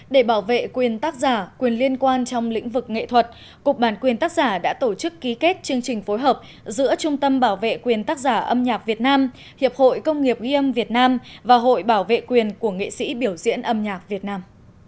để bảo vệ quyền tác giả quyền liên quan trong lĩnh vực nghệ thuật cục bản quyền tác giả đã tổ chức ký kết chương trình phối hợp giữa trung tâm bảo vệ quyền tác giả âm nhạc việt nam hiệp hội công nghiệp ghi âm việt nam và hội bảo vệ quyền của nghệ sĩ biểu diễn âm nhạc việt nam